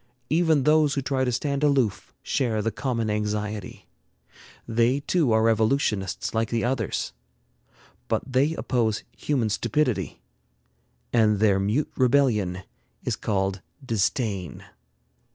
Even those who try to stand aloof share the common anxiety. They too are revolutionists like the others, but they oppose human stupidity, and their mute rebellion is called disdain.